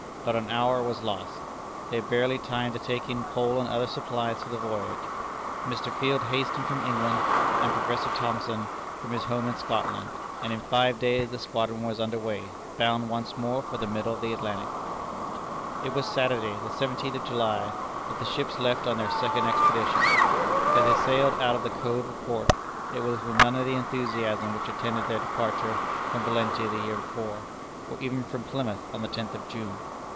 Not an hour was lost. They had barely time to take in coal and other supplies for the voyage. Mr. Field hastened from England, and Prof. Thomson from his home in Scotland, and in five days the squadron was under way, bound once more for the middle of the Atlantic. It was Saturday, the seventeenth of July, that the ships left on their second expedition. As they sailed out of the Cove of Cork, it was with none of the enthusiasm which attended their departure from Valentia the year before, or even from Plymouth on the tenth of June.